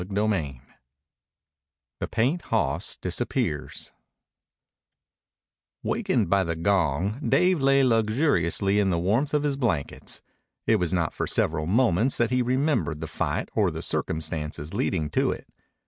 CHAPTER IV THE PAINT HOSS DISAPPEARS Wakened by the gong, Dave lay luxuriously in the warmth of his blankets. It was not for several moments that he remembered the fight or the circumstances leading to it.